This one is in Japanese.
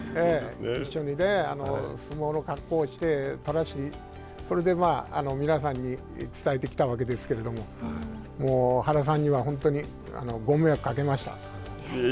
一緒に相撲の格好をしてそれで皆さんに伝えてきたわけですけどももう原さんには本当にご迷惑をかけました。